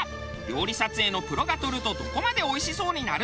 料理撮影のプロが撮るとどこまでおいしそうになるのか？